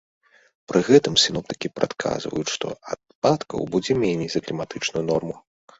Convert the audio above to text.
Пры гэтым сіноптыкі прадказваюць, што ападкаў будзе меней за кліматычную норму.